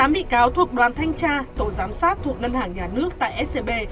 một mươi tám bị kéo thuộc đoàn thanh tra tổ giám sát thuộc ngân hàng nhà nước tại scb